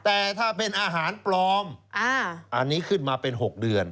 แต่ถ้าเป็นอาหารปลอมอันนี้ขึ้นมาเป็น๖เดือน